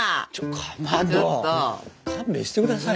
かまど勘弁してくださいよ。